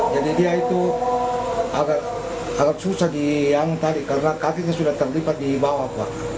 jadi dia itu agak susah di yang tadi karena kakinya sudah terlipat di bawah pak